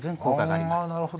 あなるほど。